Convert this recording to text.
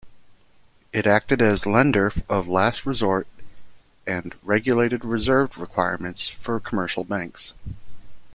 It acted as lender of last resort and regulated reserve requirements for commercial banks.